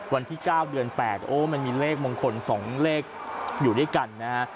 วันที่๙เดือน๘โอ้มันมีเลขมงคล๒เลขอยู่ด้วยกันนะฮะ